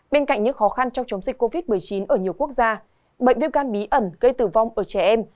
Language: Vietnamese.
bên cạnh những khó khăn trong chống dịch covid một mươi chín ở nhiều quốc gia bệnh biêu gan bí ẩn gây tử vong ở trẻ em